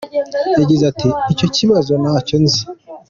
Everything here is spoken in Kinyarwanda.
Yagize ati: "Icyo kibazo ntacyo nzi.